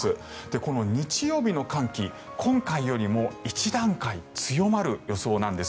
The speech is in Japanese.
この日曜日の寒気、今回よりも一段階強まる予想なんです。